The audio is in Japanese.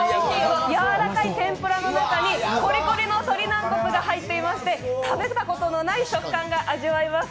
柔らかい天ぷらの中にコリコリの鶏軟骨が入っていまして食べたことのない食感が味わえます。